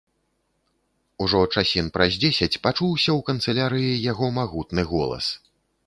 Ужо часін праз дзесяць пачуўся ў канцылярыі яго магутны голас.